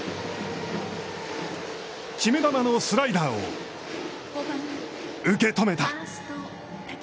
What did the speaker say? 決め球のスライダーを受け止めた。